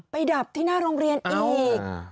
ดับที่หน้าโรงเรียนอีก